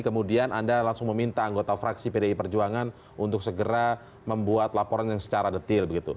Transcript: kemudian anda langsung meminta anggota fraksi pdi perjuangan untuk segera membuat laporan yang secara detail begitu